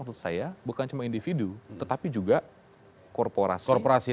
maksud saya bukan cuma individu tetapi juga korporasi